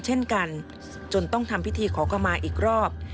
จนต้องทำพิธีขอเข้ามาอีกรอบ